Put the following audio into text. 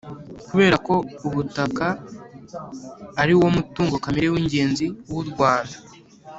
Kubera ko ubutaka ariwo mutungo kamere w ingenzi wu u Rwanda